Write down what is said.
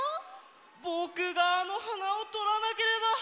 ぼくがあのはなをとらなければ。